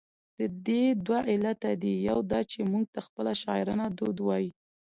د دې دوه علته دي، يو دا چې، موږ ته خپله شاعرانه دود وايي،